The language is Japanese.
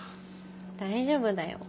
大丈夫だよ。